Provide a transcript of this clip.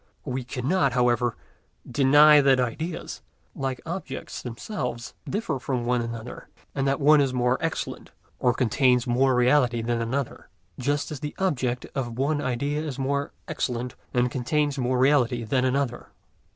We cannot, however, deny that ideas, like objects themselves, differ from one another, and that one is more excellent and contains more reality than another, just as the object of one idea is more excellent and contains more reality than another.